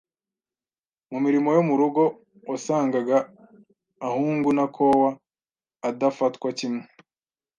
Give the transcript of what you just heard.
Mu mirimo yo mu rugo wasangaga ahungu n’akowa adafatwa kimwe